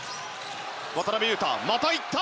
渡邊雄太、また行った！